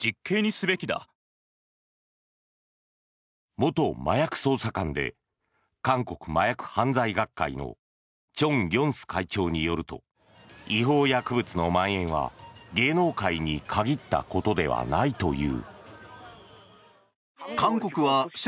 元麻薬捜査官で韓国麻薬犯罪学会のチョン・ギョンス会長によると違法薬物のまん延は芸能界に限ったことではないという。